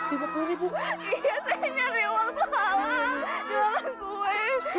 iya saya nyari uang pahala jualan kue